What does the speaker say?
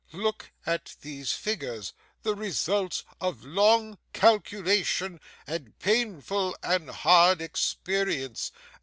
Look at these figures, the result of long calculation, and painful and hard experience.